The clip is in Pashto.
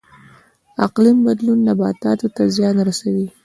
اقلیم بدلون نباتاتو ته زیان رسوي